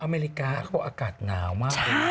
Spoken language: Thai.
อเมริกาเขาบอกว่าอากาศหนาวมาก